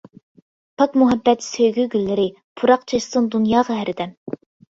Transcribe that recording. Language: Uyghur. پاك مۇھەببەت سۆيگۈ گۈللىرى، پۇراق چاچسۇن دۇنياغا ھەردەم!